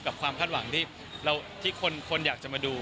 ความคาดหวังที่คนอยากจะมาดู